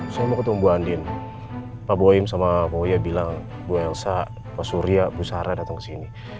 saya mau ketemu bu andin pak boyim sama boya bilang bu elsa mbak surya bu sarah datang kesini